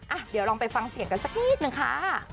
อ่ะเดี๋ยวลองไปฟังเสียงกันสักนิดนึงค่ะ